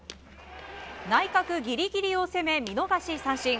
内角ギリギリを攻め見逃し三振。